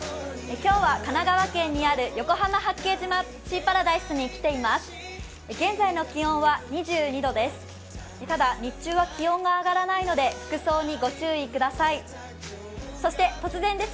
今日は神奈川県にある横浜・八景島シーパラダイスに来ています。